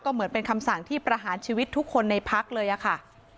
เหมือนเป็นคำสั่งที่ประหารชีวิตทุกคนในพักเลยอะค่ะ